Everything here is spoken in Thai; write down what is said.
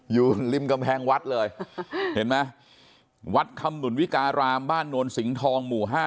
อยู่ริมกำแพงวัดเลยเห็นไหมวัดคำหนุนวิการามบ้านโนนสิงห์ทองหมู่๕